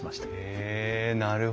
へえなるほど。